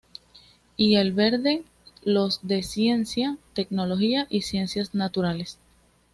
Y el verde los de ciencia, tecnología y ciencias naturales.